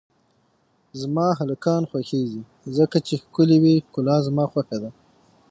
زما هلکان خوښیږی ځکه چی ښکلی وی ښکله زما خوشه ده